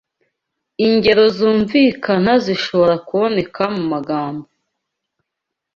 Ingero zumvikana zishobora kuboneka mumagambo